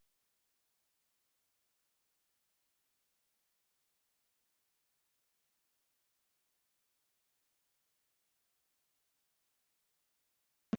สุดท้าย